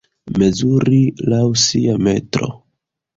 Mezuri laŭ sia metro.